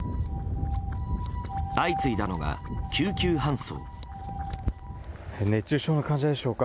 相次いだのが救急搬送。